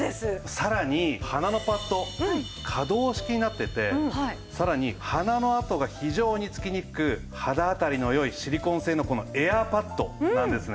さらに鼻のパッド可動式になっていて鼻の痕が非常につきにくく肌当たりの良いシリコン製のこのエアーパッドなんですね。